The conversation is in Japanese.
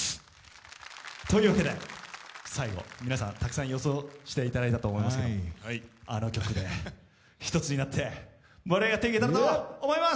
というわけで、最後、皆さんたくさん予想していただいたと思いますけどあの曲で、一つになって盛り上がっていけたらと思います。